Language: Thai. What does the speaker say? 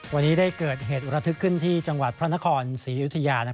วันนี้ได้เกิดเหตุระทึกขึ้นที่จังหวัดพระนครศรีอยุธยา